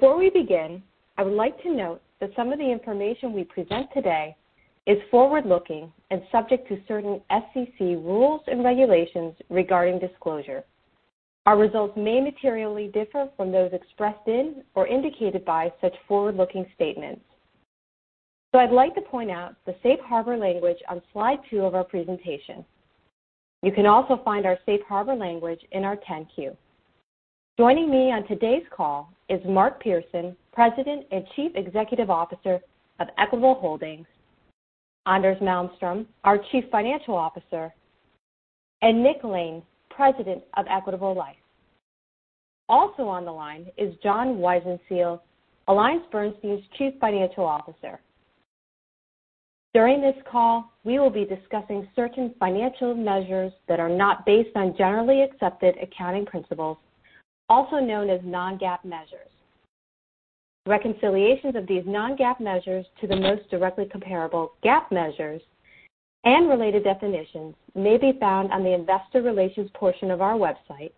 Before we begin, I would like to note that some of the information we present today is forward-looking and subject to certain SEC rules and regulations regarding disclosure. Our results may materially differ from those expressed in or indicated by such forward-looking statements. I would like to point out the safe harbor language on slide two of our presentation. You can also find our safe harbor language in our 10-Q. Joining me on today's call is Mark Pearson, President and Chief Executive Officer of Equitable Holdings, Anders Malmström, our Chief Financial Officer, and Nick Lane, President of Equitable. Also on the line is John Weisenseel, AllianceBernstein's Chief Financial Officer. During this call, we will be discussing certain financial measures that are not based on Generally Accepted Accounting Principles, also known as non-GAAP measures. Reconciliations of these non-GAAP measures to the most directly comparable GAAP measures and related definitions may be found on the investor relations portion of our website,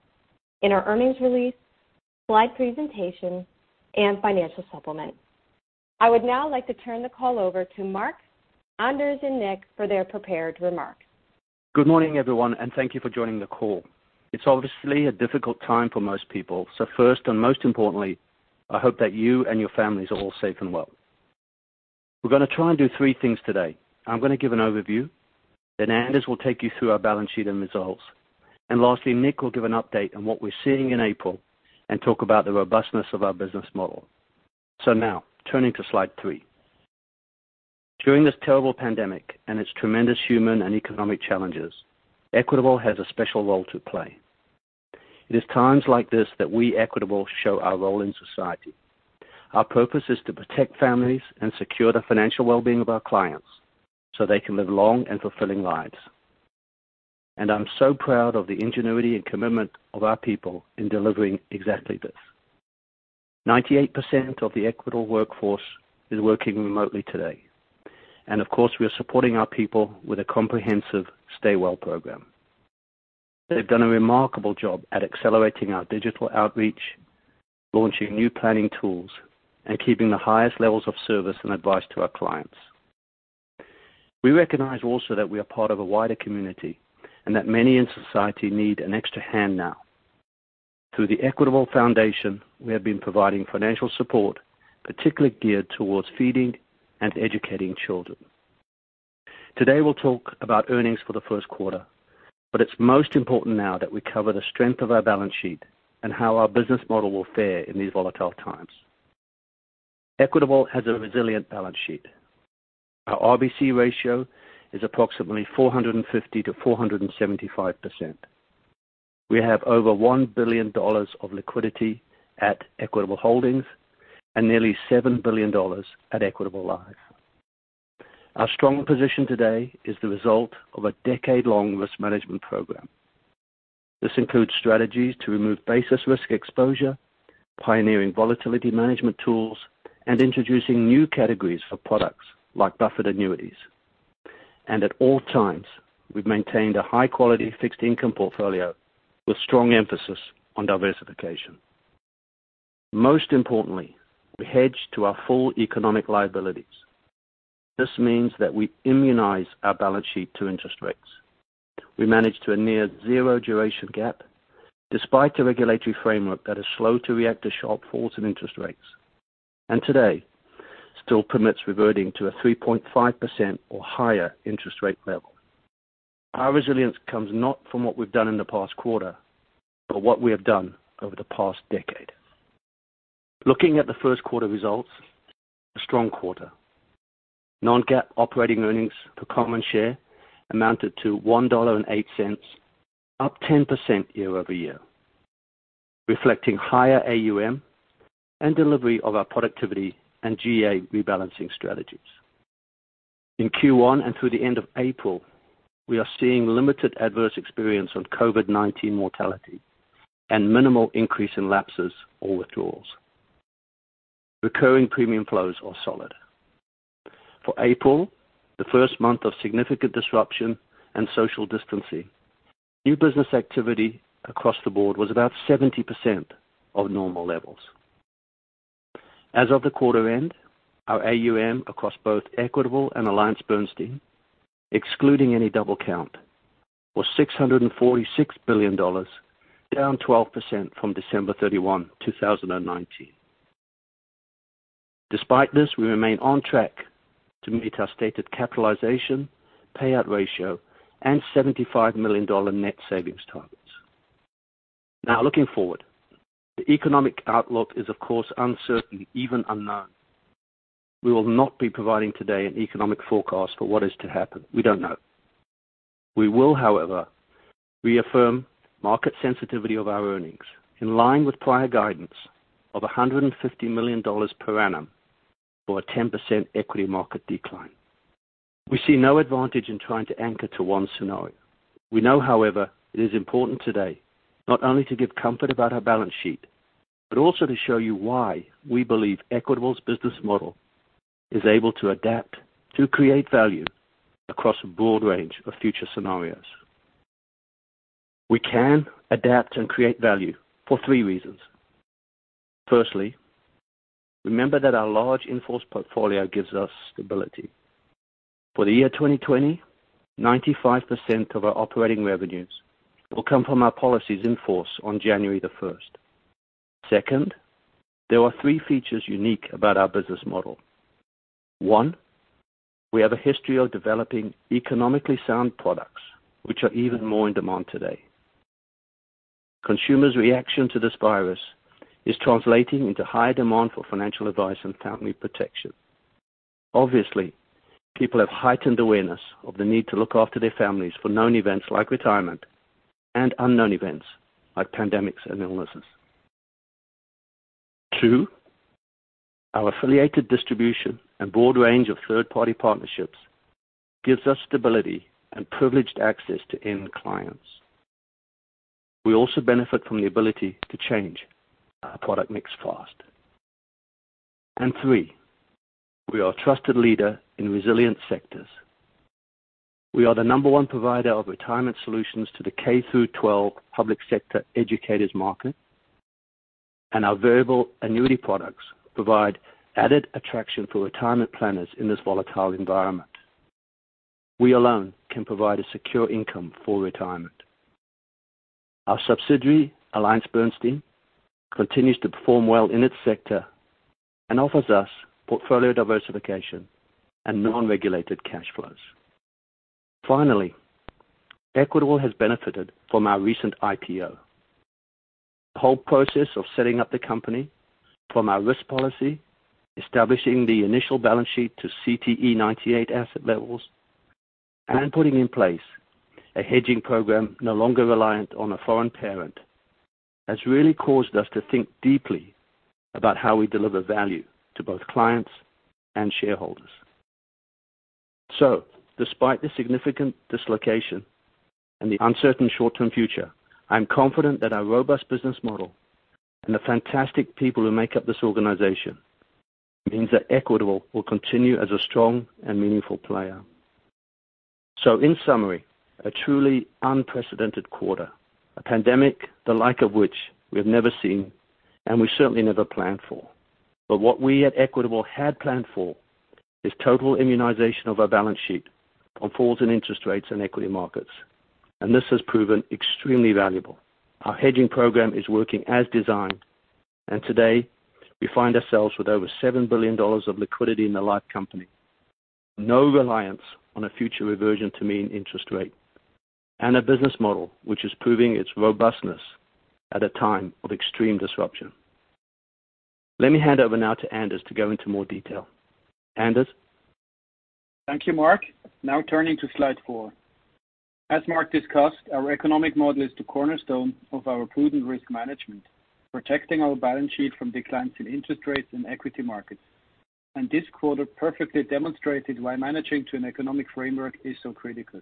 in our earnings release, slide presentation, and financial supplement. I would now like to turn the call over to Mark, Anders, and Nick for their prepared remarks. Good morning, everyone, and thank you for joining the call. It's obviously a difficult time for most people. First and most importantly, I hope that you and your families are all safe and well. We're going to try and do three things today. I am going to give an overview. Anders will take you through our balance sheet and results. Lastly, Nick will give an update on what we're seeing in April and talk about the robustness of our business model. Now turning to slide three. During this terrible pandemic and its tremendous human and economic challenges, Equitable has a special role to play. It is times like this that we, Equitable, show our role in society. Our purpose is to protect families and secure the financial well-being of our clients so they can live long and fulfilling lives. I'm so proud of the ingenuity and commitment of our people in delivering exactly this. 98% of the Equitable workforce is working remotely today, and of course, we are supporting our people with a comprehensive stay well program. They've done a remarkable job at accelerating our digital outreach, launching new planning tools, and keeping the highest levels of service and advice to our clients. We recognize also that we are part of a wider community and that many in society need an extra hand now. Through the Equitable Foundation, we have been providing financial support, particularly geared towards feeding and educating children. Today, we'll talk about earnings for the first quarter, but it's most important now that we cover the strength of our balance sheet and how our business model will fare in these volatile times. Equitable has a resilient balance sheet. Our RBC ratio is approximately 450%-475%. We have over $1 billion of liquidity at Equitable Holdings and nearly $7 billion at Equitable Life. Our strong position today is the result of a decade-long risk management program. This includes strategies to remove basis risk exposure, pioneering volatility management tools, and introducing new categories of products like buffered annuities. At all times, we've maintained a high-quality fixed income portfolio with strong emphasis on diversification. Most importantly, we hedge to our full economic liabilities. This means that we immunize our balance sheet to interest rates. We manage to a near zero duration gap, despite a regulatory framework that is slow to react to sharp falls in interest rates, and today still permits reverting to a 3.5% or higher interest rate level. Our resilience comes not from what we've done in the past quarter, but what we have done over the past decade. Looking at the first quarter results, a strong quarter. Non-GAAP operating earnings per common share amounted to $1.08, up 10% year-over-year, reflecting higher AUM and delivery of our productivity and GA rebalancing strategies. In Q1 and through the end of April, we are seeing limited adverse experience on COVID-19 mortality and minimal increase in lapses or withdrawals. Recurring premium flows are solid. For April, the first month of significant disruption and social distancing, new business activity across the board was about 70% of normal levels. As of the quarter end, our AUM across both Equitable and AllianceBernstein, excluding any double count, was $646 billion, down 12% from December 31, 2019. Despite this, we remain on track to meet our stated capitalization, payout ratio, and $75 million net savings targets. Now looking forward. The economic outlook is, of course, uncertain, even unknown. We will not be providing today an economic forecast for what is to happen. We don't know. We will, however, reaffirm market sensitivity of our earnings in line with prior guidance of $150 million per annum for a 10% equity market decline. We see no advantage in trying to anchor to one scenario. We know, however, it is important today not only to give comfort about our balance sheet, but also to show you why we believe Equitable's business model is able to adapt to create value across a broad range of future scenarios. We can adapt and create value for three reasons. Firstly, remember that our large in-force portfolio gives us stability. For the year 2020, 95% of our operating revenues will come from our policies in force on January the 1st. Second, there are three features unique about our business model. One, we have a history of developing economically sound products, which are even more in demand today. Consumers' reaction to this virus is translating into high demand for financial advice and family protection. Obviously, people have heightened awareness of the need to look after their families for known events like retirement, and unknown events like pandemics and illnesses. Two, our affiliated distribution and broad range of third-party partnerships gives us stability and privileged access to end clients. We also benefit from the ability to change our product mix fast. Three, we are a trusted leader in resilient sectors. We are the number one provider of retirement solutions to the K through 12 public sector educators market, and our variable annuity products provide added attraction for retirement planners in this volatile environment. We alone can provide a secure income for retirement. Our subsidiary, AllianceBernstein, continues to perform well in its sector and offers us portfolio diversification and non-regulated cash flows. Finally, Equitable has benefited from our recent IPO. The whole process of setting up the company from our risk policy, establishing the initial balance sheet to CTE98 asset levels, and putting in place a hedging program no longer reliant on a foreign parent, has really caused us to think deeply about how we deliver value to both clients and shareholders. Despite the significant dislocation and the uncertain short-term future, I'm confident that our robust business model and the fantastic people who make up this organization means that Equitable will continue as a strong and meaningful player. In summary, a truly unprecedented quarter. A pandemic, the like of which we have never seen, and we certainly never planned for. What we at Equitable had planned for is total immunization of our balance sheet on falls in interest rates and equity markets, and this has proven extremely valuable. Our hedging program is working as designed, and today, we find ourselves with over $7 billion of liquidity in the life company, no reliance on a future reversion to mean interest rate, and a business model which is proving its robustness at a time of extreme disruption. Let me hand over now to Anders to go into more detail. Anders? Thank you, Mark. Now turning to slide four. As Mark discussed, our economic model is the cornerstone of our prudent risk management, protecting our balance sheet from declines in interest rates and equity markets. This quarter perfectly demonstrated why managing to an economic framework is so critical.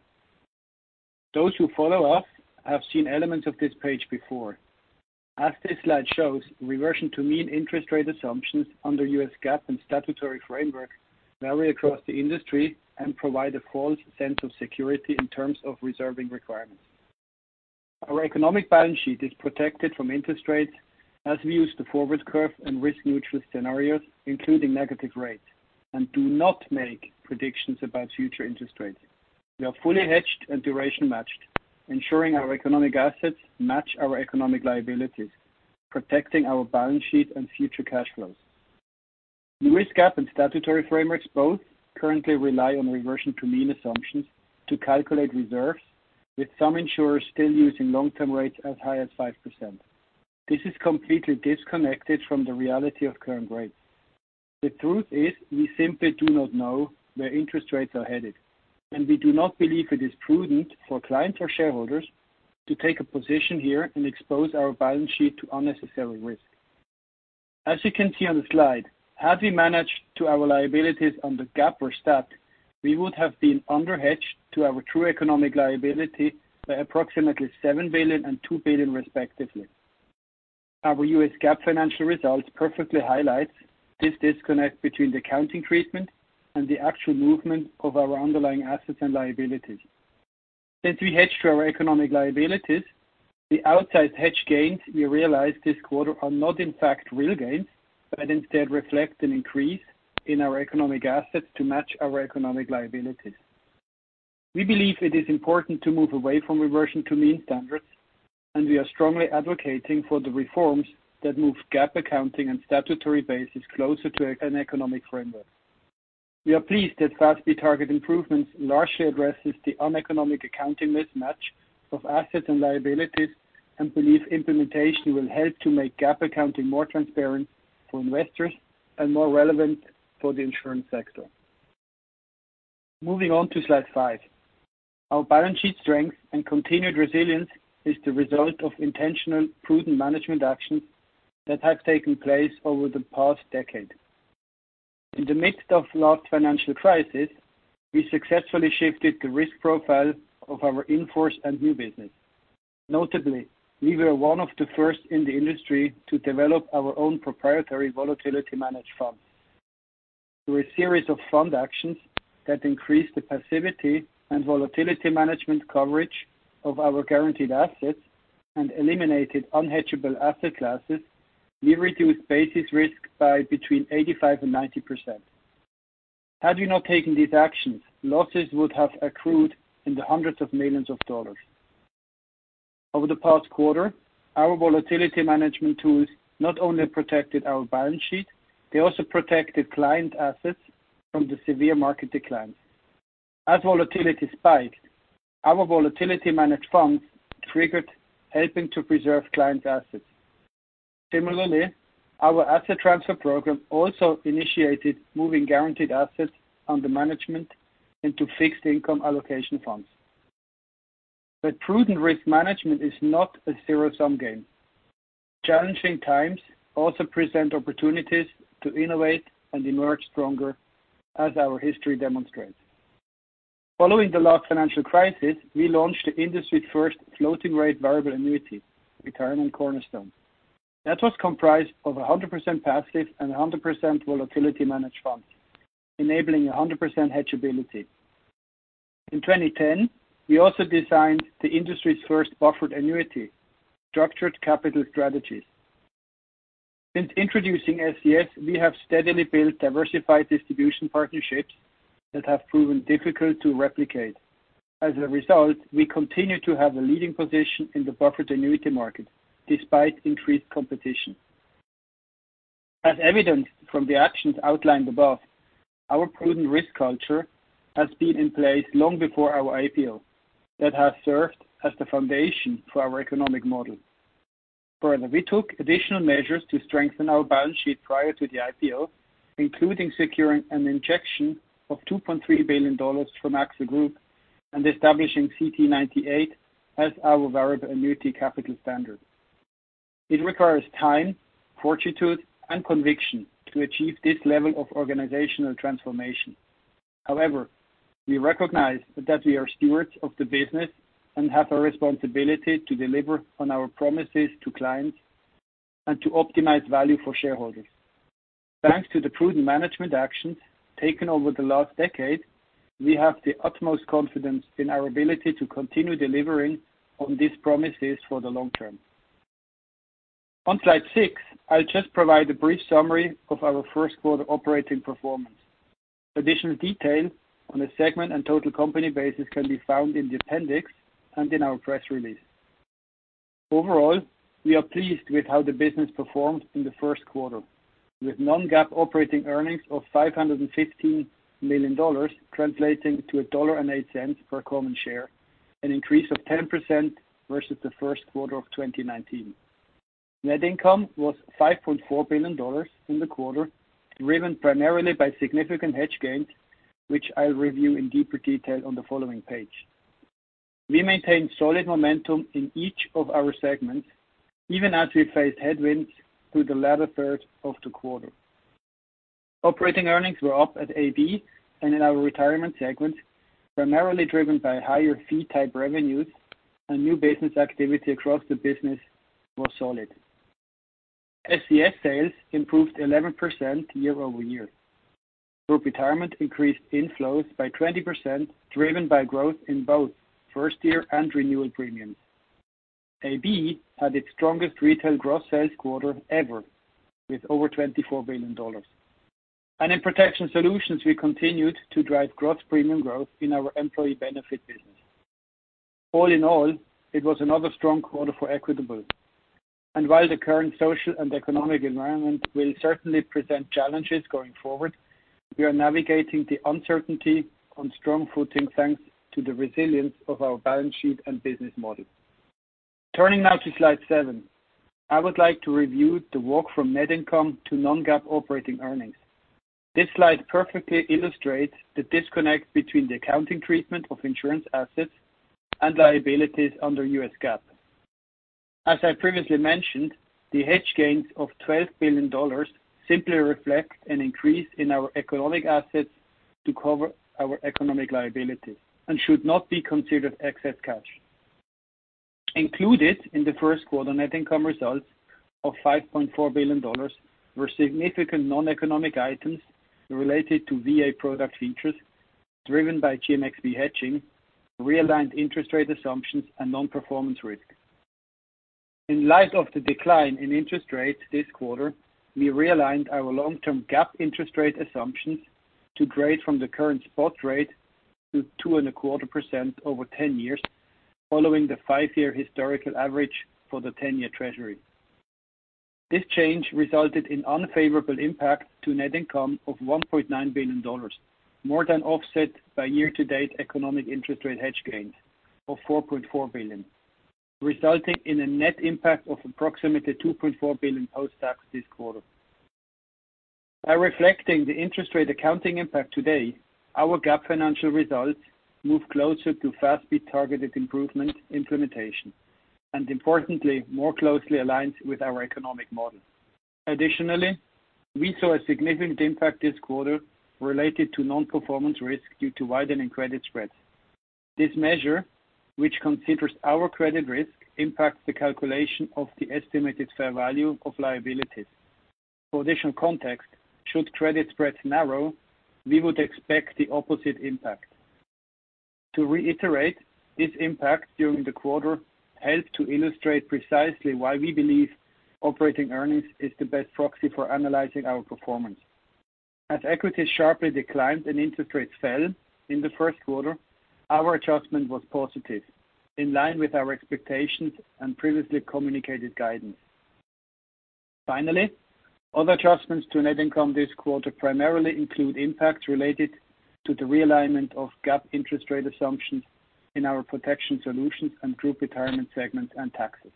Those who follow us have seen elements of this page before. As this slide shows, reversion to mean interest rate assumptions under U.S. GAAP and statutory framework vary across the industry and provide a false sense of security in terms of reserving requirements. Our economic balance sheet is protected from interest rates, as we use the forward curve and risk-neutral scenarios, including negative rates, and do not make predictions about future interest rates. We are fully hedged and duration matched, ensuring our economic assets match our economic liabilities, protecting our balance sheet and future cash flows. The risk GAAP and statutory frameworks both currently rely on reversion to mean assumptions to calculate reserves, with some insurers still using long-term rates as high as 5%. This is completely disconnected from the reality of current rates. The truth is, we simply do not know where interest rates are headed, and we do not believe it is prudent for clients or shareholders to take a position here and expose our balance sheet to unnecessary risk. As you can see on the slide, had we managed to our liabilities on the GAAP or STAT, we would have been under-hedged to our true economic liability by approximately $7 billion and $2 billion, respectively. Our U.S. GAAP financial results perfectly highlights this disconnect between the accounting treatment and the actual movement of our underlying assets and liabilities. Since we hedge to our economic liabilities, the outside hedge gains we realized this quarter are not in fact real gains, but instead reflect an increase in our economic assets to match our economic liabilities. We believe it is important to move away from reversion to mean standards, and we are strongly advocating for the reforms that move GAAP accounting and statutory bases closer to an economic framework. We are pleased that FASB target improvements largely addresses the uneconomic accounting mismatch of assets and liabilities, and believe implementation will help to make GAAP accounting more transparent for investors and more relevant for the insurance sector. Moving on to slide five. Our balance sheet strength and continued resilience is the result of intentional, prudent management actions that have taken place over the past decade. In the midst of last financial crisis, we successfully shifted the risk profile of our in-force and new business. Notably, we were one of the first in the industry to develop our own proprietary volatility managed fund. Through a series of fund actions that increased the passivity and volatility management coverage of our guaranteed assets and eliminated unhedgable asset classes, we reduced basis risk by between 85% and 90%. Had we not taken these actions, losses would have accrued in the hundreds of millions of dollars. Over the past quarter, our volatility management tools not only protected our balance sheet, they also protected client assets from the severe market declines. As volatility spiked, our volatility managed funds triggered, helping to preserve client assets. Similarly, our asset transfer program also initiated moving guaranteed assets under management into fixed income allocation funds. Prudent risk management is not a zero-sum game. Challenging times also present opportunities to innovate and emerge stronger, as our history demonstrates. Following the last financial crisis, we launched the industry's first floating rate variable annuity, Retirement Cornerstone. That was comprised of 100% passive and 100% volatility managed funds, enabling 100% hedgability. In 2010, we also designed the industry's first buffered annuity, Structured Capital Strategies. Since introducing SCS, we have steadily built diversified distribution partnerships that have proven difficult to replicate. As a result, we continue to have a leading position in the buffered annuity market despite increased competition. As evidenced from the actions outlined above, our prudent risk culture has been in place long before our IPO that has served as the foundation for our economic model. We took additional measures to strengthen our balance sheet prior to the IPO, including securing an injection of $2.3 billion from AXA Group and establishing CTE98 as our variable annuity capital standard. It requires time, fortitude, and conviction to achieve this level of organizational transformation. However, we recognize that we are stewards of the business and have a responsibility to deliver on our promises to clients and to optimize value for shareholders. Thanks to the prudent management actions taken over the last decade, we have the utmost confidence in our ability to continue delivering on these promises for the long term. On slide six, I'll just provide a brief summary of our first quarter operating performance. Additional detail on a segment and total company basis can be found in the appendix and in our press release. Overall, we are pleased with how the business performed in the first quarter, with non-GAAP operating earnings of $515 million translating to $1.08 per common share, an increase of 10% versus the first quarter of 2019. Net income was $5.4 billion in the quarter, driven primarily by significant hedge gains, which I'll review in deeper detail on the following page. We maintained solid momentum in each of our segments, even as we faced headwinds through the latter third of the quarter. Operating earnings were up at AB and in our Group Retirement segment, primarily driven by higher fee type revenues and new business activity across the business was solid. SCS sales improved 11% year-over-year. Group Retirement increased inflows by 20%, driven by growth in both first year and renewal premiums. AB had its strongest retail gross sales quarter ever with over $24 billion. In Protection Solutions, we continued to drive gross premium growth in our employee benefit business. All in all, it was another strong quarter for Equitable. While the current social and economic environment will certainly present challenges going forward, we are navigating the uncertainty on strong footing, thanks to the resilience of our balance sheet and business model. Turning now to slide seven. I would like to review the walk from net income to non-GAAP operating earnings. This slide perfectly illustrates the disconnect between the accounting treatment of insurance assets and liabilities under U.S. GAAP. As I previously mentioned, the hedge gains of $12 billion simply reflect an increase in our economic assets to cover our economic liability and should not be considered excess cash. Included in the first quarter net income results of $5.4 billion were significant non-economic items related to VA product features driven by GMXP hedging, realigned interest rate assumptions, and non-performance risk. In light of the decline in interest rates this quarter, we realigned our long-term GAAP interest rate assumptions to grade from the current spot rate to 2.25% over 10 years, following the five-year historical average for the 10-year treasury. This change resulted in unfavorable impact to net income of $1.9 billion, more than offset by year-to-date economic interest rate hedge gains of $4.4 billion, resulting in a net impact of approximately $2.4 billion post-tax this quarter. By reflecting the interest rate accounting impact today, our GAAP financial results move closer to FASB targeted improvement implementation, and importantly, more closely aligns with our economic model. Additionally, we saw a significant impact this quarter related to non-performance risk due to widening credit spreads. This measure, which considers our credit risk, impacts the calculation of the estimated fair value of liabilities. For additional context, should credit spreads narrow, we would expect the opposite impact. To reiterate, this impact during the quarter helped to illustrate precisely why we believe operating earnings is the best proxy for analyzing our performance. As equities sharply declined and interest rates fell in the first quarter, our adjustment was positive, in line with our expectations and previously communicated guidance. Finally, other adjustments to net income this quarter primarily include impacts related to the realignment of GAAP interest rate assumptions in our Protection Solutions and Group Retirement segments and taxes.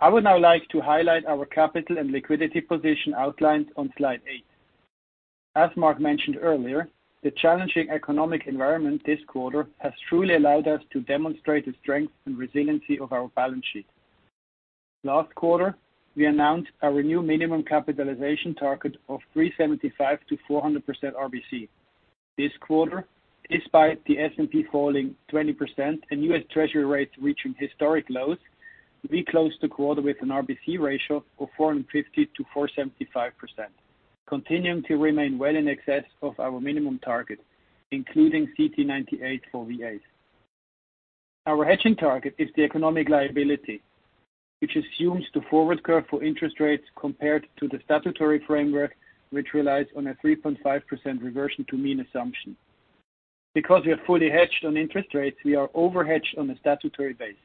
I would now like to highlight our capital and liquidity position outlined on slide eight. As Mark mentioned earlier, the challenging economic environment this quarter has truly allowed us to demonstrate the strength and resiliency of our balance sheet. Last quarter, we announced our new minimum capitalization target of 375%-400% RBC. This quarter, despite the S&P falling 20% and U.S. Treasury rates reaching historic lows, we closed the quarter with an RBC ratio of 450%-475%, continuing to remain well in excess of our minimum target, including CT98 for VA. Our hedging target is the economic liability, which assumes the forward curve for interest rates compared to the statutory framework, which relies on a 3.5% reversion to mean assumption. Because we are fully hedged on interest rates, we are over-hedged on a statutory basis.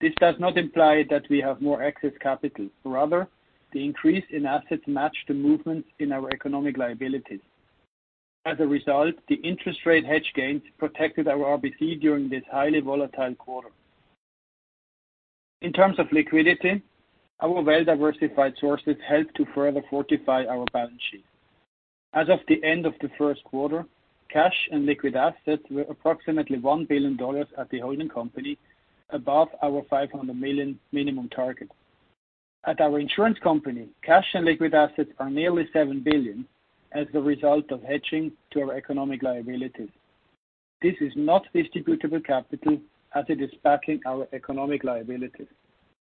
This does not imply that we have more excess capital. Rather, the increase in assets match the movements in our economic liabilities. As a result, the interest rate hedge gains protected our RBC during this highly volatile quarter. In terms of liquidity, our well-diversified sources help to further fortify our balance sheet. As of the end of the first quarter, cash and liquid assets were approximately $1 billion at the holding company, above our $500 million minimum target. At our insurance company, cash and liquid assets are nearly $7 billion as the result of hedging to our economic liabilities. This is not distributable capital as it is backing our economic liabilities.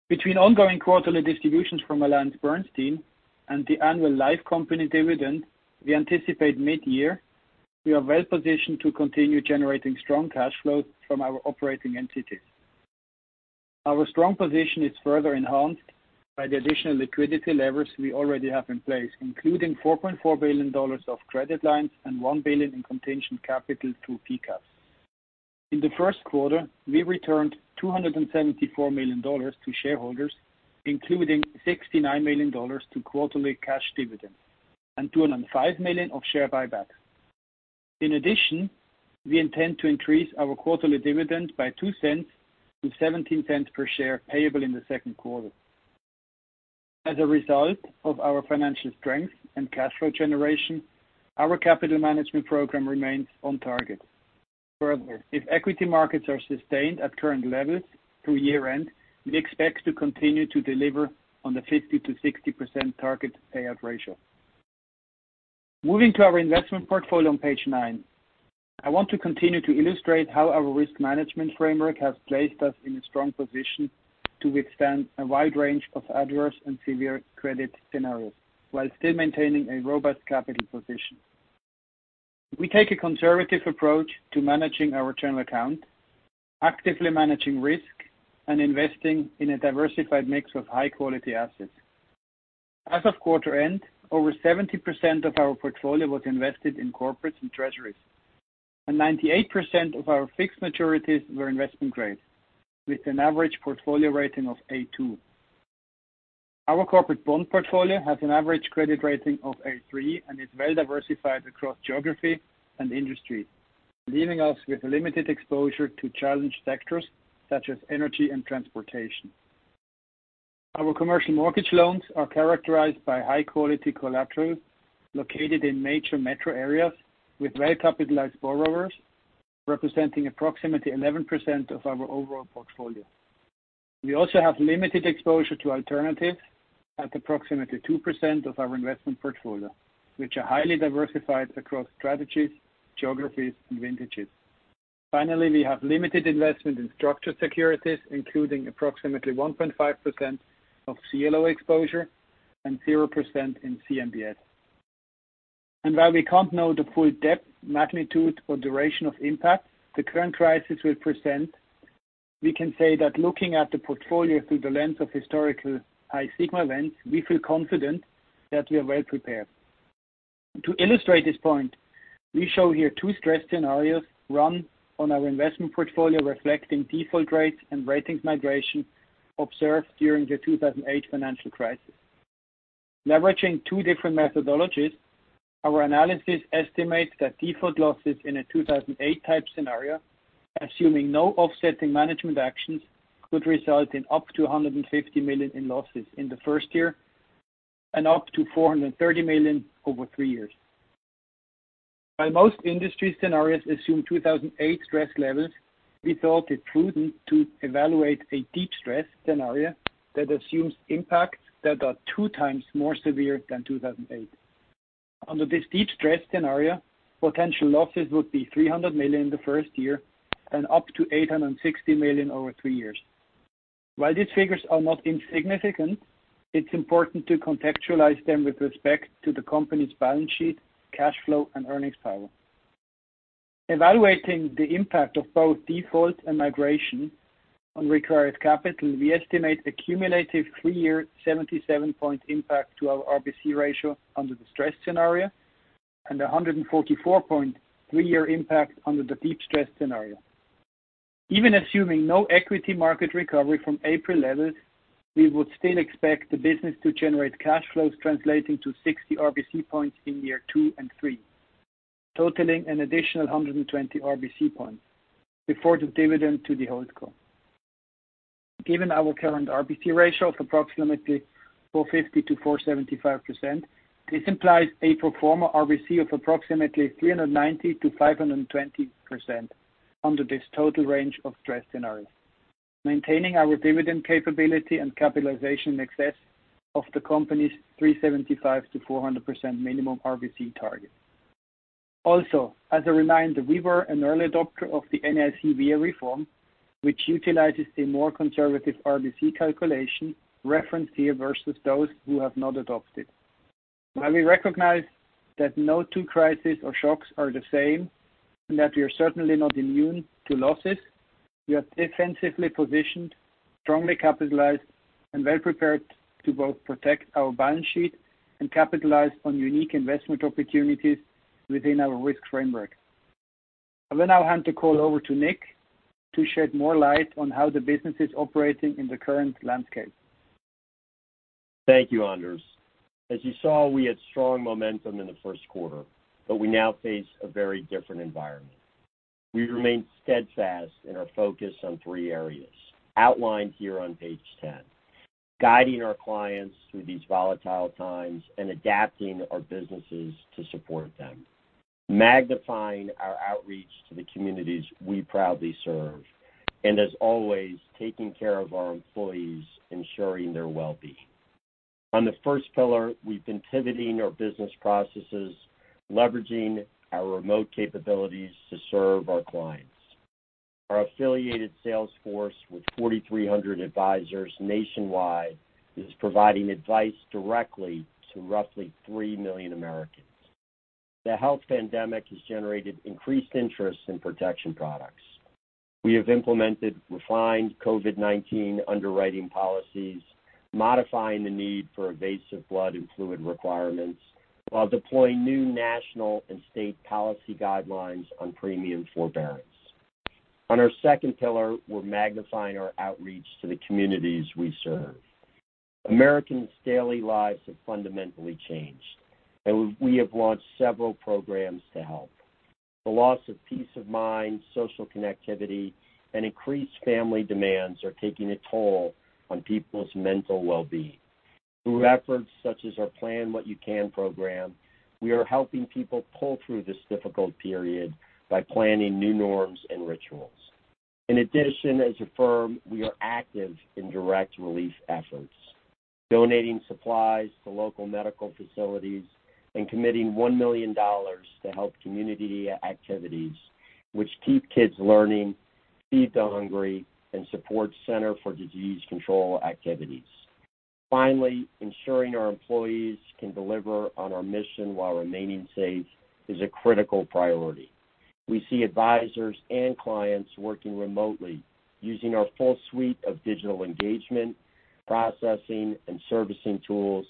Between ongoing quarterly distributions from AllianceBernstein and the annual life company dividend we anticipate mid-year, we are well positioned to continue generating strong cash flow from our operating entities. Our strong position is further enhanced by the additional liquidity levers we already have in place, including $4.4 billion of credit lines and $1 billion in contingent capital through PCAPs. In the first quarter, we returned $274 million to shareholders, including $69 million to quarterly cash dividends and $205 million of share buyback. In addition, we intend to increase our quarterly dividend by $0.02 to $0.17 per share, payable in the second quarter. As a result of our financial strength and cash flow generation, our capital management program remains on target. Further, if equity markets are sustained at current levels through year-end, we expect to continue to deliver on the 50%-60% target payout ratio. Moving to our investment portfolio on page nine. I want to continue to illustrate how our risk management framework has placed us in a strong position to withstand a wide range of adverse and severe credit scenarios while still maintaining a robust capital position. We take a conservative approach to managing our general account, actively managing risk and investing in a diversified mix of high-quality assets. As of quarter end, over 70% of our portfolio was invested in corporates and treasuries, and 98% of our fixed maturities were investment grade, with an average portfolio rating of A2. Our corporate bond portfolio has an average credit rating of A3 and is well diversified across geography and industry, leaving us with limited exposure to challenged sectors such as energy and transportation. Our commercial mortgage loans are characterized by high-quality collateral located in major metro areas with well-capitalized borrowers, representing approximately 11% of our overall portfolio. We also have limited exposure to alternatives at approximately 2% of our investment portfolio, which are highly diversified across strategies, geographies, and vintages. Finally, we have limited investment in structured securities, including approximately 1.5% of CLO exposure and 0% in CMBS. While we can't know the full depth, magnitude, or duration of impact the current crisis will present, we can say that looking at the portfolio through the lens of historical high sigma events, we feel confident that we are well prepared. To illustrate this point, we show here two stress scenarios run on our investment portfolio reflecting default rates and ratings migration observed during the 2008 Financial Crisis. Leveraging two different methodologies, our analysis estimates that default losses in a 2008 type scenario, assuming no offsetting management actions, could result in up to $150 million in losses in the first year and up to $430 million over three years. While most industry scenarios assume 2008 stress levels, we felt it prudent to evaluate a deep stress scenario that assumes impacts that are two times more severe than 2008. Under this deep stress scenario, potential losses would be $300 million the first year and up to $860 million over three years. While these figures are not insignificant, it's important to contextualize them with respect to the company's balance sheet, cash flow, and earnings power. Evaluating the impact of both default and migration on required capital, we estimate a cumulative three-year 77 point impact to our RBC ratio under the stress scenario, and 144.3-year impact under the deep stress scenario. Even assuming no equity market recovery from April levels, we would still expect the business to generate cash flows translating to 60 RBC points in year two and three, totaling an additional 120 RBC points before the dividend to the holdco. Given our current RBC ratio of approximately 450%-475%, this implies a pro forma RBC of approximately 390%-520% under this total range of stress scenarios, maintaining our dividend capability and capitalization in excess of the company's 375%-400% minimum RBC target. Also, as a reminder, we were an early adopter of the NAIC VA reform, which utilizes a more conservative RBC calculation referenced here versus those who have not adopted. While we recognize that no two crises or shocks are the same and that we are certainly not immune to losses, we are defensively positioned, strongly capitalized, and well prepared to both protect our balance sheet and capitalize on unique investment opportunities within our risk framework. I will now hand the call over to Nick to shed more light on how the business is operating in the current landscape. Thank you, Anders. As you saw, we had strong momentum in the first quarter, but we now face a very different environment. We remain steadfast in our focus on three areas outlined here on page 10. Guiding our clients through these volatile times and adapting our businesses to support them, magnifying our outreach to the communities we proudly serve, and as always, taking care of our employees, ensuring their well-being. On the first pillar, we've been pivoting our business processes, leveraging our remote capabilities to serve our clients. Our affiliated sales force with 4,300 advisors nationwide is providing advice directly to roughly three million Americans. The health pandemic has generated increased interest in protection products. We have implemented refined COVID-19 underwriting policies, modifying the need for invasive blood and fluid requirements, while deploying new national and state policy guidelines on premium forbearance. On our second pillar, we're magnifying our outreach to the communities we serve. Americans' daily lives have fundamentally changed, and we have launched several programs to help. The loss of peace of mind, social connectivity, and increased family demands are taking a toll on people's mental well-being. Through efforts such as our Plan What You Can program, we are helping people pull through this difficult period by planning new norms and rituals. In addition, as a firm, we are active in direct relief efforts, donating supplies to local medical facilities and committing $1 million to help community activities, which keep kids learning, feed the hungry, and support Center for Disease Control activities. Finally, ensuring our employees can deliver on our mission while remaining safe is a critical priority. We see advisors and clients working remotely using our full suite of digital engagement, processing, and servicing tools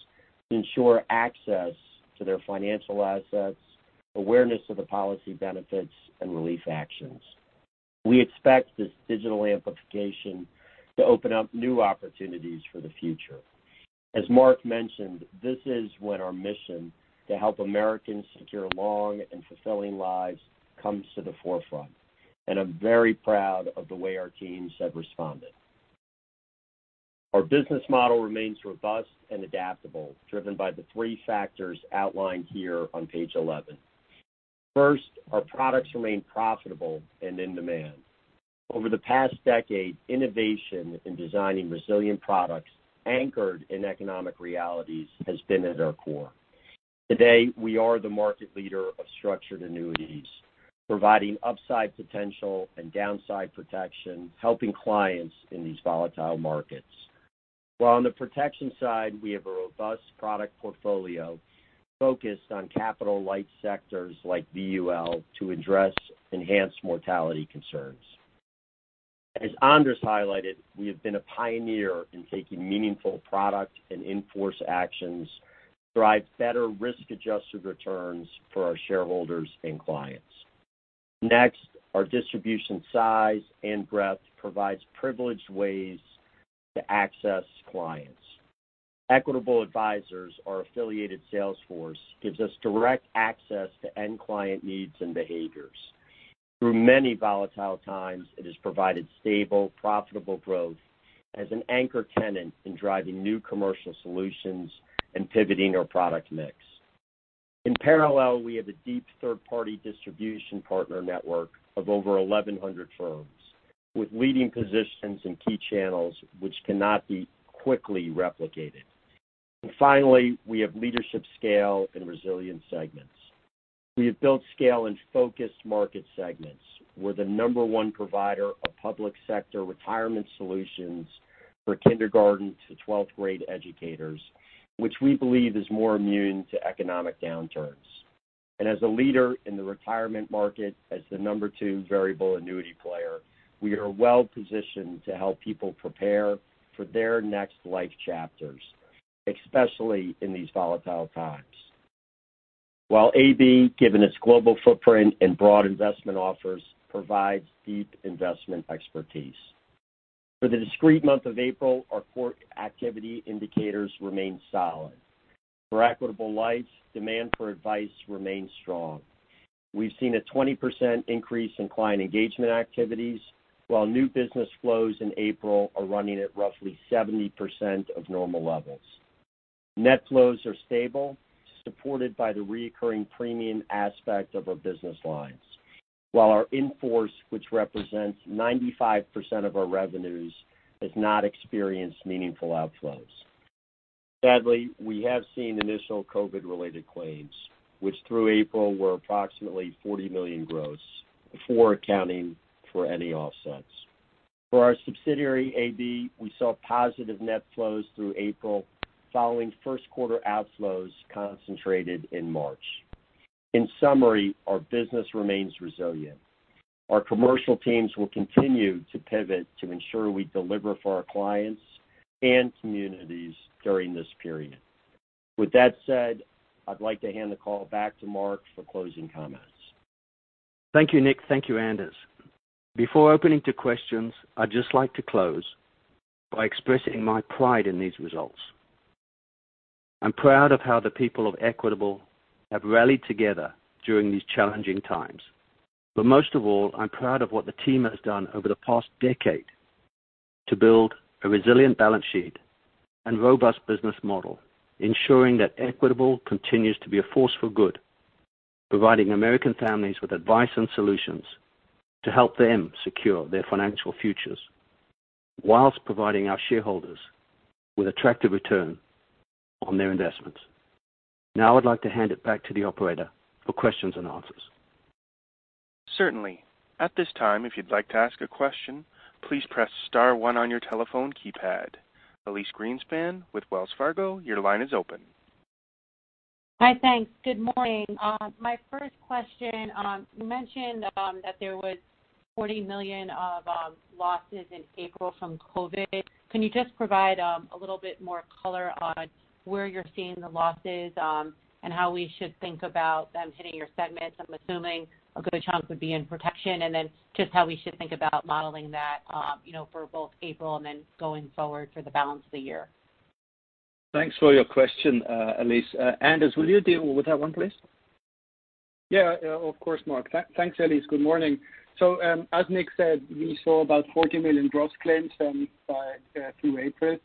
to ensure access to their financial assets, awareness of the policy benefits, and relief actions. We expect this digital amplification to open up new opportunities for the future. As Mark mentioned, this is when our mission to help Americans secure long and fulfilling lives comes to the forefront, and I'm very proud of the way our teams have responded. Our business model remains robust and adaptable, driven by the three factors outlined here on page 11. First, our products remain profitable and in demand. Over the past decade, innovation in designing resilient products anchored in economic realities has been at our core. Today, we are the market leader of structured annuities, providing upside potential and downside protection, helping clients in these volatile markets. While on the protection side, we have a robust product portfolio focused on capital-light sectors like VUL to address enhanced mortality concerns. As Anders highlighted, we have been a pioneer in taking meaningful product and in-force actions to drive better risk-adjusted returns for our shareholders and clients. Next, our distribution size and breadth provides privileged ways to access clients. Equitable Advisors, our affiliated sales force, gives us direct access to end client needs and behaviors. Through many volatile times, it has provided stable, profitable growth as an anchor tenant in driving new commercial solutions and pivoting our product mix. In parallel, we have a deep third-party distribution partner network of over 1,100 firms, with leading positions in key channels which cannot be quickly replicated. Finally, we have leadership scale in resilient segments. We have built scale in focused market segments. We're the number 1 provider of public sector retirement solutions for kindergarten to 12th grade educators, which we believe is more immune to economic downturns. As a leader in the retirement market, as the number 2 variable annuity player, we are well-positioned to help people prepare for their next life chapters, especially in these volatile times. AB, given its global footprint and broad investment offers, provides deep investment expertise. For the discrete month of April, our core activity indicators remained solid. For Equitable Life, demand for advice remained strong. We've seen a 20% increase in client engagement activities, while new business flows in April are running at roughly 70% of normal levels. Net flows are stable, supported by the reoccurring premium aspect of our business lines. While our in-force, which represents 95% of our revenues, has not experienced meaningful outflows. Sadly, we have seen initial COVID related claims, which through April were approximately $40 million gross before accounting for any offsets. For our subsidiary, AB, we saw positive net flows through April following first quarter outflows concentrated in March. In summary, our business remains resilient. Our commercial teams will continue to pivot to ensure we deliver for our clients and communities during this period. With that said, I'd like to hand the call back to Mark for closing comments. Thank you, Nick. Thank you, Anders. Before opening to questions, I'd just like to close by expressing my pride in these results. I'm proud of how the people of Equitable have rallied together during these challenging times. Most of all, I'm proud of what the team has done over the past decade to build a resilient balance sheet and robust business model, ensuring that Equitable continues to be a force for good, providing American families with advice and solutions to help them secure their financial futures, while providing our shareholders with attractive return on their investments. Now I'd like to hand it back to the operator for questions and answers. Certainly. At this time, if you'd like to ask a question, please press star one on your telephone keypad. Elyse Greenspan with Wells Fargo, your line is open. Hi, thanks. Good morning. My first question, you mentioned that there was $40 million of losses in April from COVID. Can you just provide a little bit more color on where you're seeing the losses, and how we should think about them hitting your segments? I'm assuming a good chunk would be in protection, and then just how we should think about modeling that for both April and then going forward for the balance of the year. Thanks for your question, Elyse. Anders, will you deal with that one, please? Yeah, of course, Mark. Thanks, Elyse. Good morning. As Nick said, we saw about $40 million gross claims through April.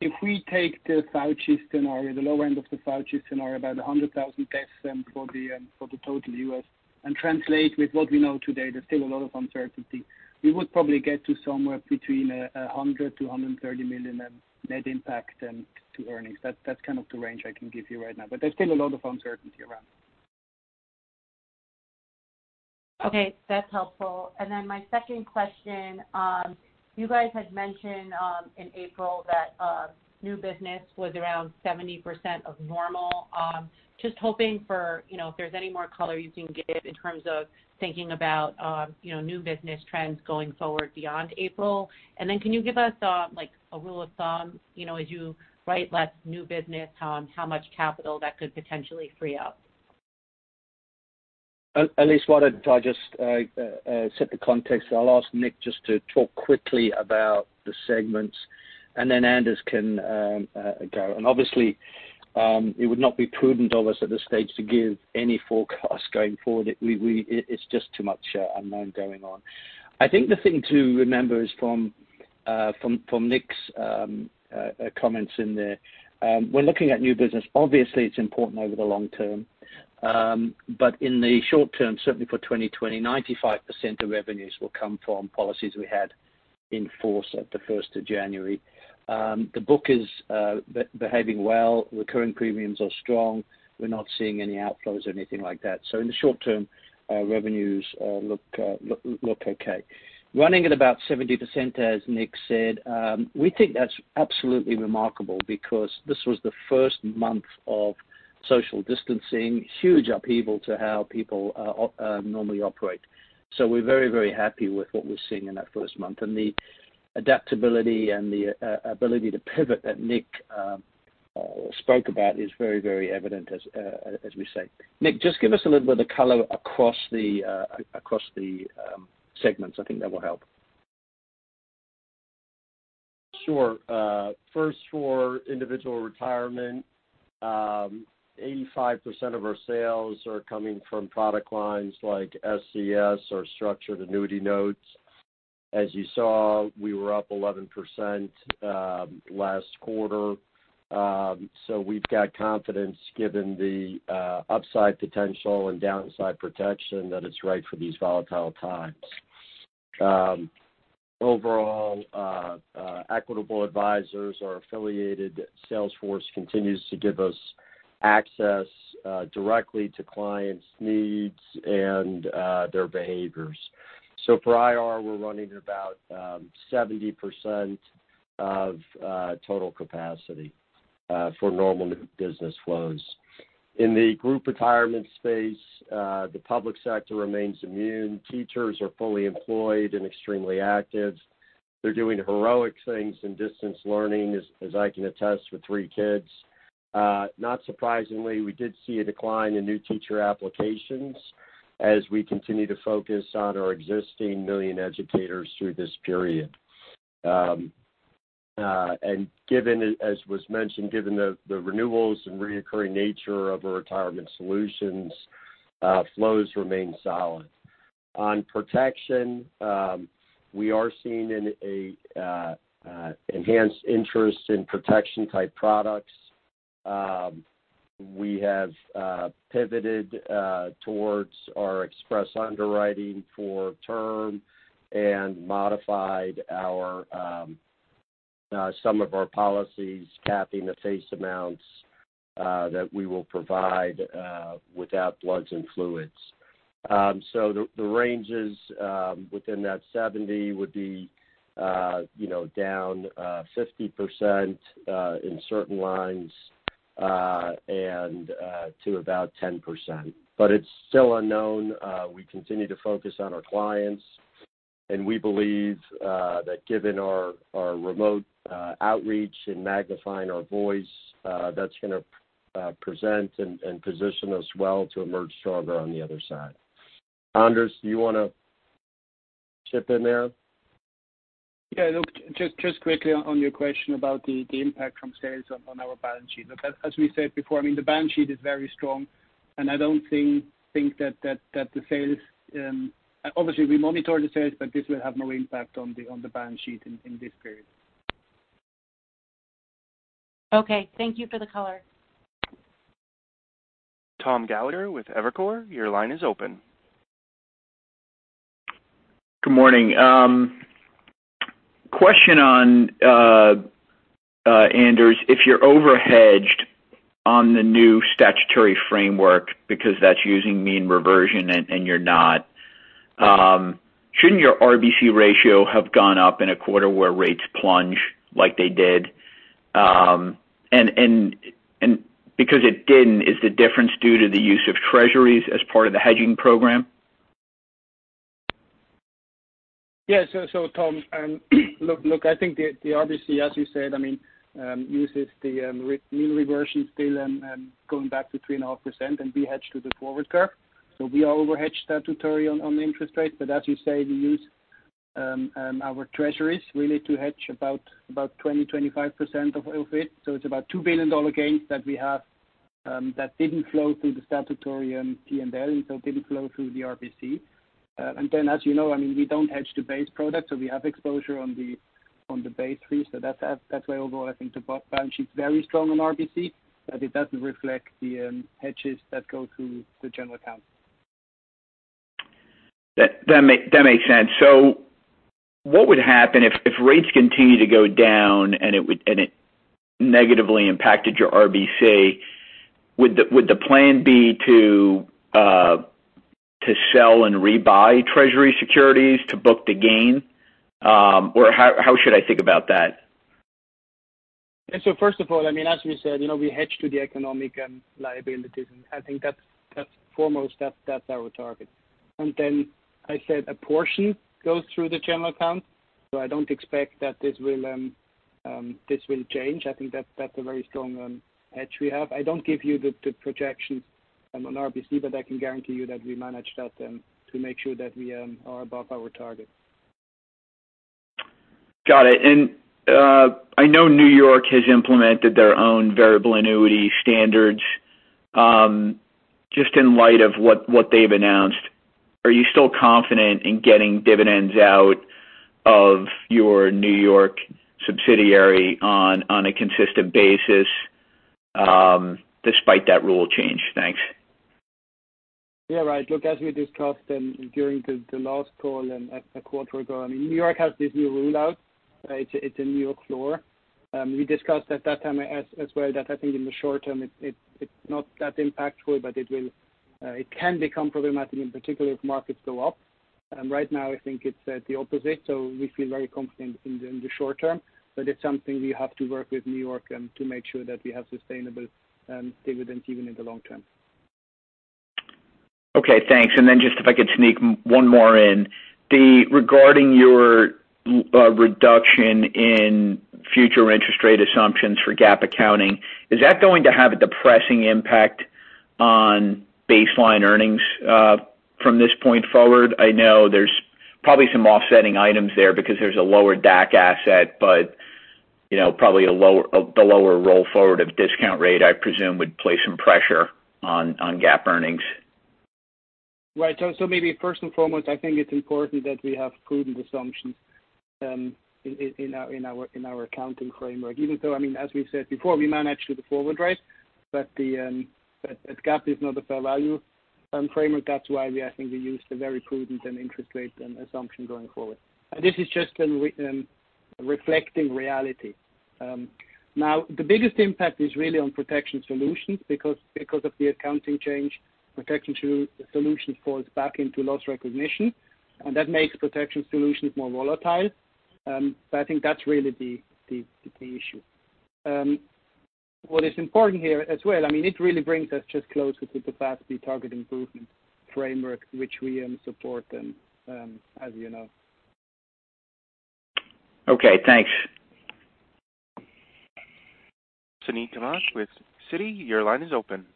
If we take the Fauci scenario, the low end of the Fauci scenario, about 100,000 deaths for the total U.S., and translate with what we know today, there's still a lot of uncertainty, we would probably get to somewhere between $100 million-$130 million net impact to earnings. That's kind of the range I can give you right now, but there's still a lot of uncertainty around. Okay, that's helpful. My second question, you guys had mentioned in April that new business was around 70% of normal. Just hoping for if there's any more color you can give in terms of thinking about new business trends going forward beyond April. Can you give us a rule of thumb, as you write less new business, how much capital that could potentially free up? Elyse, why don't I just set the context? I'll ask Nick just to talk quickly about the segments, then Anders can go. Obviously, it would not be prudent of us at this stage to give any forecast going forward. It's just too much unknown going on. I think the thing to remember is from Nick's comments in there, when looking at new business, obviously it's important over the long term. In the short term, certainly for 2020, 95% of revenues will come from policies we had in force at the 1st of January. The book is behaving well. Recurring premiums are strong. We're not seeing any outflows or anything like that. In the short term, our revenues look okay. Running at about 70%, as Nick said, we think that's absolutely remarkable because this was the first month of social distancing, huge upheaval to how people normally operate. We're very, very happy with what we're seeing in that first month. The adaptability and the ability to pivot that Nick spoke about is very, very evident as we say. Nick, just give us a little bit of color across the segments. I think that will help. Sure. First for individual retirement, 85% of our sales are coming from product lines like SCS or structured annuity notes. As you saw, we were up 11% last quarter. We've got confidence given the upside potential and downside protection that it's right for these volatile times. Overall, Equitable Advisors, our affiliated sales force, continues to give us access directly to clients' needs and their behaviors. For IR, we're running about 70% of total capacity for normal new business flows. In the Group Retirement space, the public sector remains immune. Teachers are fully employed and extremely active. They're doing heroic things in distance learning, as I can attest with three kids. Not surprisingly, we did see a decline in new teacher applications as we continue to focus on our existing 1 million educators through this period. As was mentioned, given the renewals and reoccurring nature of our retirement solutions, flows remain solid. On protection, we are seeing an enhanced interest in protection-type products. We have pivoted towards our express underwriting for term and modified some of our policies, capping the face amounts that we will provide without bloods and fluids. The ranges within that 70% would be down 50% in certain lines and to about 10%. It's still unknown. We continue to focus on our clients, and we believe that given our remote outreach in magnifying our voice, that's going to present and position us well to emerge stronger on the other side. Anders, do you want to chip in there? Look, just quickly on your question about the impact from sales on our balance sheet. As we said before, the balance sheet is very strong, I don't think that the sales obviously, we monitor the sales, but this will have no impact on the balance sheet in this period. Okay. Thank you for the color. Thomas Gallagher with Evercore, your line is open. Good morning. Question on, Anders, if you're over-hedged on the new statutory framework because that's using mean reversion and you're not, shouldn't your RBC ratio have gone up in a quarter where rates plunge like they did? Because it didn't, is the difference due to the use of Treasuries as part of the hedging program? Yeah. Tom, look, I think the RBC, as you said, uses the mean reversion still and going back to 3.5% and we hedge to the forward curve. We are over-hedged statutory on the interest rate. As you say, we use our Treasuries really to hedge about 20%, 25% of it. It's about $2 billion gains that we have that didn't flow through the statutory P&L, and so it didn't flow through the RBC. Then, as you know, we don't hedge the base product, so we have exposure on the base fees. That's why, although I think the balance sheet is very strong on RBC, but it doesn't reflect the hedges that go through the general account. That makes sense. What would happen if rates continue to go down and it negatively impacted your RBC? Would the plan be to sell and rebuy Treasury securities to book the gain? How should I think about that? First of all, as we said, we hedge to the economic liabilities, and I think that's foremost, that's our target. I said a portion goes through the general account, so I don't expect that this will change. I think that's a very strong hedge we have. I don't give you the projections on RBC, but I can guarantee you that we manage that to make sure that we are above our targets. Got it. I know New York has implemented their own variable annuity standards. Just in light of what they've announced, are you still confident in getting dividends out of your New York subsidiary on a consistent basis despite that rule change? Thanks. Yeah. Right. Look, as we discussed during the last call a quarter ago, New York has this new rule out. It's a New York floor. We discussed at that time as well that I think in the short term, it's not that impactful, but it can become problematic, in particular if markets go up. Right now, I think it's the opposite, so we feel very confident in the short term. It's something we have to work with New York, to make sure that we have sustainable dividends even in the long term. Okay, thanks. Just if I could sneak one more in. Regarding your reduction in future interest rate assumptions for GAAP accounting, is that going to have a depressing impact on baseline earnings from this point forward? I know there's probably some offsetting items there because there's a lower DAC asset, but probably the lower roll forward of discount rate, I presume, would place some pressure on GAAP earnings. Right. Maybe first and foremost, I think it's important that we have prudent assumptions in our accounting framework. Even so, as we said before, we manage to the forward rate, but GAAP is not a fair value framework. That's why I think we use the very prudent interest rate assumption going forward. This is just reflecting reality. Now, the biggest impact is really on Protection Solutions because of the accounting change, Protection Solutions falls back into loss recognition, and that makes Protection Solutions more volatile. I think that's really the key issue. What is important here as well, it really brings us just closer to the FASB target improvement framework, which we support as you know. Okay, thanks. Suneet Kamath with Citi, your line is open.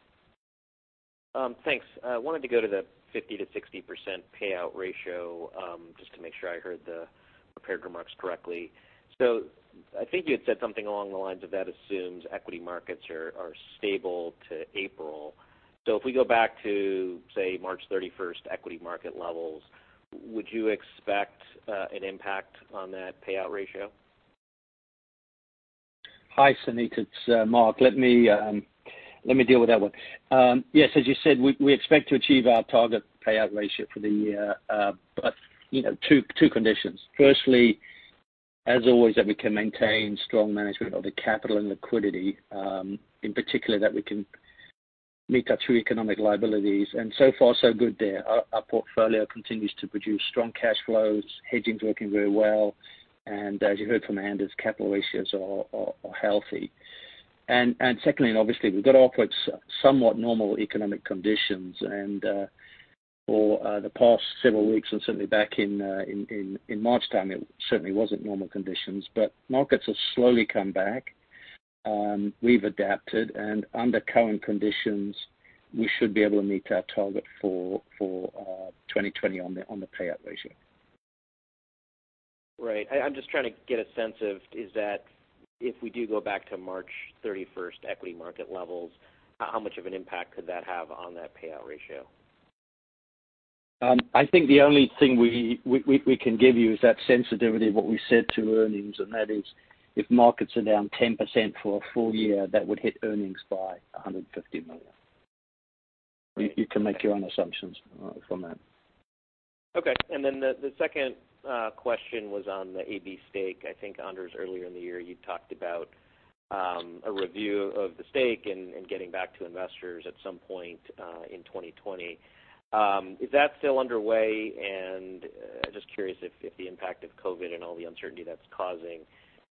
Thanks. I wanted to go to the 50%-60% payout ratio, just to make sure I heard the prepared remarks correctly. I think you had said something along the lines of that assumes equity markets are stable to April. If we go back to, say, March 31st equity market levels, would you expect an impact on that payout ratio? Hi, Suneet. It's Mark. Let me deal with that one. Yes, as you said, we expect to achieve our target payout ratio for the year. Two conditions. Firstly, as always, that we can maintain strong management of the capital and liquidity, in particular that we can meet our true economic liabilities, so far so good there. Our portfolio continues to produce strong cash flows, hedging's working very well. As you heard from Anders, capital ratios are healthy. Secondly, obviously, we've got to operate somewhat normal economic conditions. For the past several weeks and certainly back in March time, it certainly wasn't normal conditions. Markets have slowly come back. We've adapted, and under current conditions, we should be able to meet our target for 2020 on the payout ratio. Right. I'm just trying to get a sense of, if we do go back to March 31st equity market levels, how much of an impact could that have on that payout ratio? I think the only thing we can give you is that sensitivity of what we said to earnings. That is if markets are down 10% for a full year, that would hit earnings by $150 million. You can make your own assumptions from that. Okay. The second question was on the AllianceBernstein stake. I think, Anders, earlier in the year, you talked about a review of the stake and getting back to investors at some point in 2020. Is that still underway? Just curious if the impact of COVID and all the uncertainty that's causing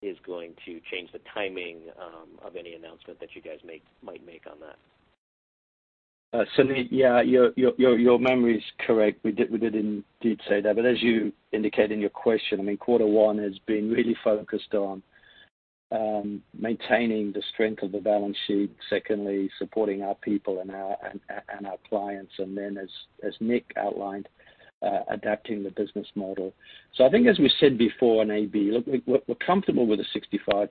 is going to change the timing of any announcement that you guys might make on that. Suneet, yeah, your memory's correct. We did indeed say that. As you indicate in your question, quarter one has been really focused on maintaining the strength of the balance sheet. Secondly, supporting our people and our clients, as Nick outlined, adapting the business model. I think as we said before on AllianceBernstein, look, we're comfortable with the 65%.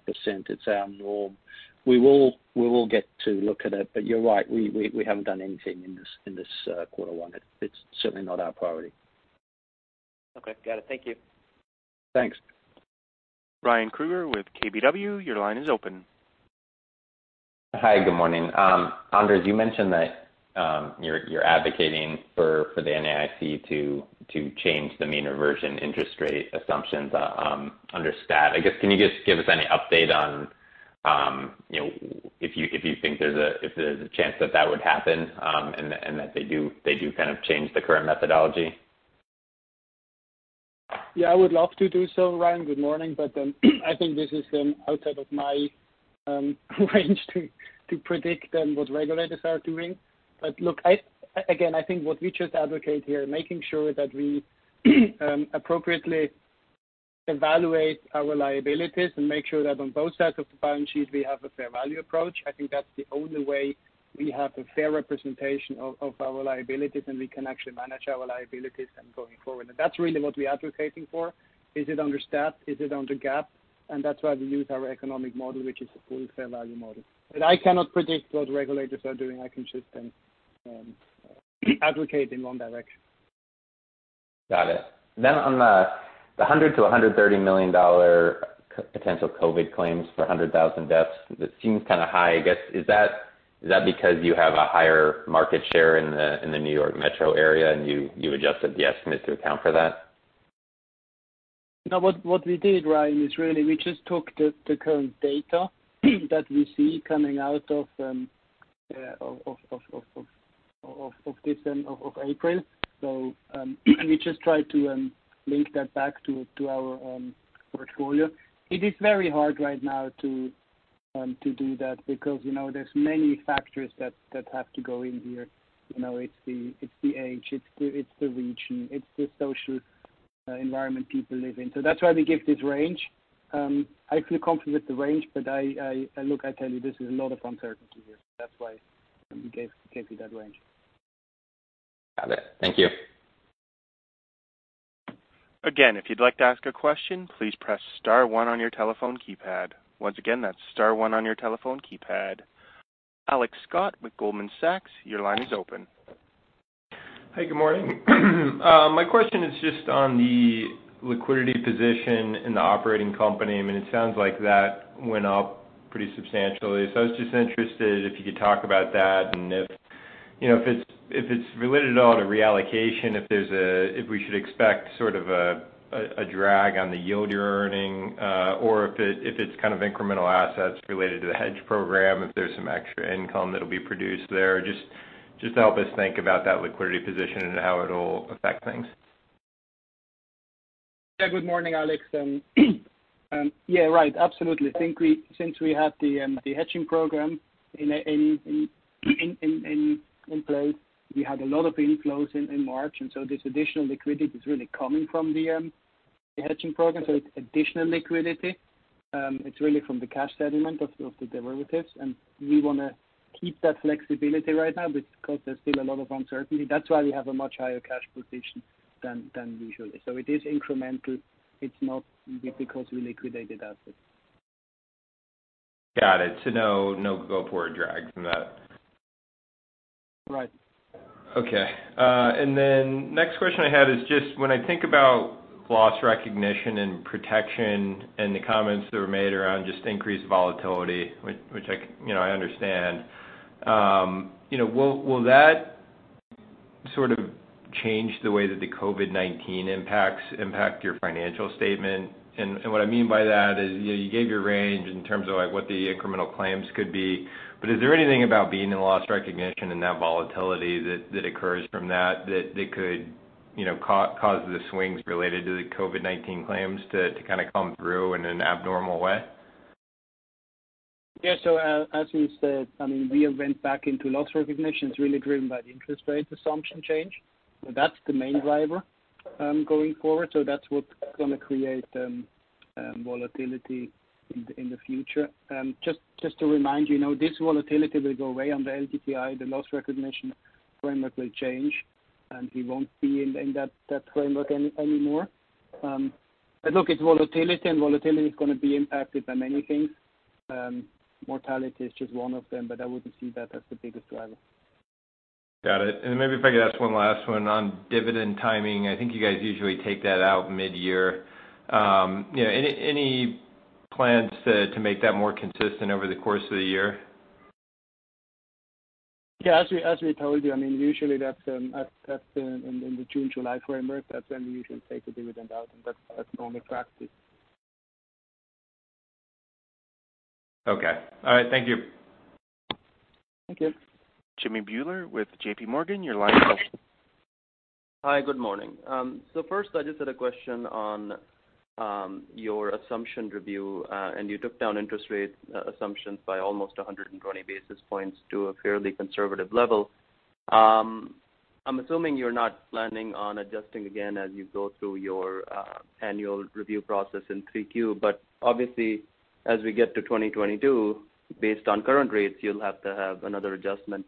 It's our norm. We will get to look at it. You're right, we haven't done anything in this quarter one. It's certainly not our priority. Okay. Got it. Thank you. Thanks. Ryan Krueger with KBW, your line is open. Hi. Good morning. Anders, you mentioned that you're advocating for the NAIC to change the mean reversion interest rate assumptions under STAT. I guess, can you just give us any update on if you think there's a chance that that would happen, and that they do change the current methodology? Yeah, I would love to do so, Ryan. Good morning. I think this is outside of my range to predict what regulators are doing. Look, again, I think what we just advocate here, making sure that we appropriately evaluate our liabilities and make sure that on both sides of the balance sheet, we have a fair value approach. I think that's the only way we have a fair representation of our liabilities, and we can actually manage our liabilities going forward. That's really what we're advocating for. Is it under STAT? Is it under GAAP? That's why we use our economic model, which is a full fair value model. I cannot predict what regulators are doing. I can just advocate in one direction. Got it. On the $100 million-$130 million potential COVID claims for 100,000 deaths, it seems kind of high. I guess, is that because you have a higher market share in the New York Metro area, and you adjusted the estimate to account for that? No, what we did, Ryan, is really we just took the current data that we see coming out of April. We just tried to link that back to our portfolio. It is very hard right now to do that because there's many factors that have to go in here. It's the age, it's the region, it's the social environment people live in. That's why we give this range. I feel confident with the range, look, I tell you, this is a lot of uncertainty here. That's why we gave you that range. Got it. Thank you. Again, if you'd like to ask a question, please press star one on your telephone keypad. Once again, that's star one on your telephone keypad. Alex Scott with Goldman Sachs, your line is open. Hi, good morning. My question is just on the liquidity position in the operating company. It sounds like that went up pretty substantially. I was just interested if you could talk about that and if it's related at all to reallocation, if we should expect sort of a drag on the yield you're earning, or if it's kind of incremental assets related to the hedge program, if there's some extra income that'll be produced there. Just help us think about that liquidity position and how it'll affect things. Yeah, good morning, Alex. Yeah, right. Absolutely. I think since we had the hedging program in place, we had a lot of inflows in March. This additional liquidity is really coming from the hedging program. It's additional liquidity. It's really from the cash settlement of the derivatives. We want to keep that flexibility right now because there's still a lot of uncertainty. That's why we have a much higher cash position than usually. It is incremental. It's not because we liquidated assets. Got it. No go forward drag from that. Right. Okay. Next question I had is just when I think about loss recognition and Protection and the comments that were made around just increased volatility, which I understand, will that sort of change the way that the COVID-19 impacts impact your financial statement? What I mean by that is, you gave your range in terms of what the incremental claims could be, but is there anything about being in the loss recognition and that volatility that occurs from that could cause the swings related to the COVID-19 claims to kind of come through in an abnormal way? Yeah. As we said, we went back into loss recognition. It's really driven by the interest rate assumption change. That's the main driver going forward. That's what's going to create volatility in the future. Just to remind you, this volatility will go away on the LDTI. The loss recognition framework will change, and we won't be in that framework anymore. Look, it's volatility, and volatility is going to be impacted by many things. Mortality is just one of them, but I wouldn't see that as the biggest driver. Got it. Maybe if I could ask one last one on dividend timing. I think you guys usually take that out mid-year. Any plans to make that more consistent over the course of the year? Yeah, as we told you, usually that's in the June, July framework. That's when we usually take the dividend out, and that's normal practice. Okay. All right. Thank you. Thank you. Jimmy Bhullar with JPMorgan, your line is open. Hi, good morning. First I just had a question on your assumption review. You took down interest rate assumptions by almost 120 basis points to a fairly conservative level. I'm assuming you're not planning on adjusting again as you go through your annual review process in 3Q, but obviously as we get to 2022, based on current rates, you'll have to have another adjustment.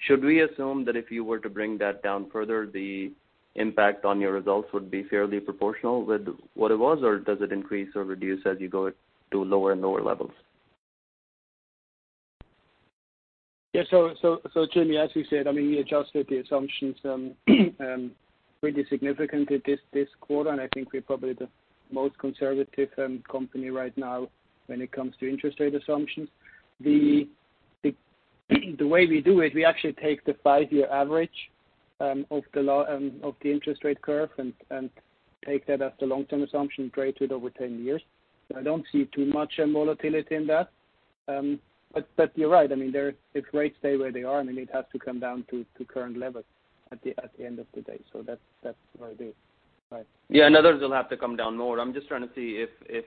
Should we assume that if you were to bring that down further, the impact on your results would be fairly proportional with what it was? Or does it increase or reduce as you go to lower and lower levels? Yeah. Jimmy, as we said, we adjusted the assumptions pretty significantly this quarter, and I think we're probably the most conservative company right now when it comes to interest rate assumptions. The way we do it, we actually take the 5-year average of the interest rate curve and take that as the long-term assumption, grade it over 10 years. I don't see too much volatility in that. You're right. If rates stay where they are, it has to come down to current levels at the end of the day. That's what I do. Right. Yeah. Others will have to come down more. I'm just trying to see if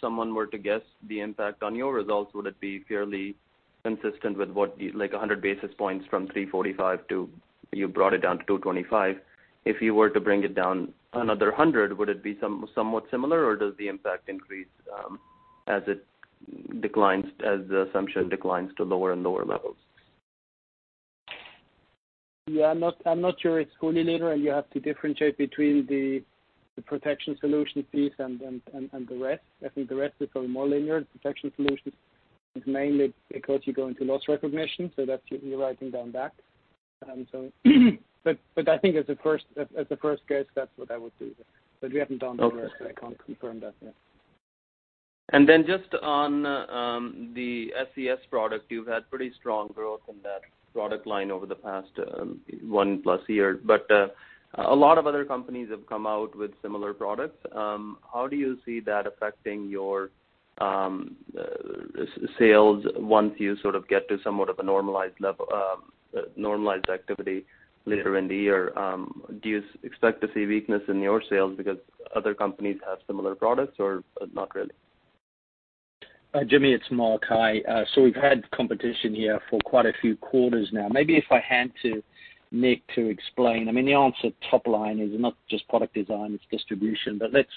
someone were to guess the impact on your results, would it be fairly consistent with what, like 100 basis points from 345 to, you brought it down to 225. If you were to bring it down another 100, would it be somewhat similar, or does the impact increase as the assumption declines to lower and lower levels? Yeah, I'm not sure it's fully linear. You have to differentiate between the Protection Solutions fees and the rest. I think the rest is probably more linear. The Protection Solutions is mainly because you go into loss recognition, so that you're writing down that. I think as a first guess, that's what I would do. We haven't done the rest, so I can't confirm that yet. just on the SCS product, you've had pretty strong growth in that product line over the past one-plus year. A lot of other companies have come out with similar products. How do you see that affecting your sales once you sort of get to somewhat of a normalized activity later in the year? Do you expect to see weakness in your sales because other companies have similar products, or not really? Jimmy, it's Mark. Hi. We've had competition here for quite a few quarters now. Maybe if I hand to Nick to explain. The answer top line is not just product design, it's distribution. Let's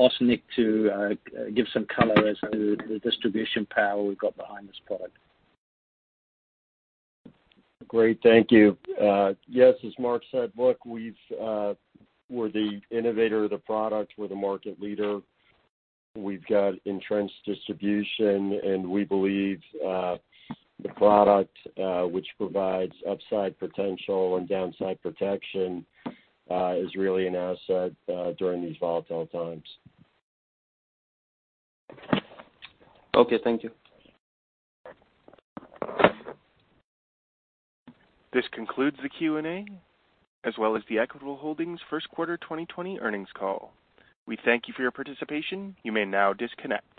ask Nick to give some color as to the distribution power we've got behind this product. Great. Thank you. Yes, as Mark said, look, we're the innovator of the product. We're the market leader. We've got entrenched distribution, and we believe the product, which provides upside potential and downside protection, is really an asset during these volatile times. Okay, thank you. This concludes the Q&A, as well as the Equitable Holdings first quarter 2020 earnings call. We thank you for your participation. You may now disconnect.